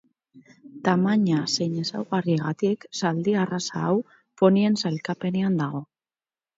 Tamaina zein ezaugarriengatik zaldi arraza hau ponien sailkapenean dago.